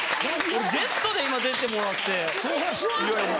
俺ゲストで今出てもらっていやいや